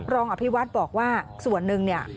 รองอภิวัตรบอกว่าส่วนนึงเนี่ย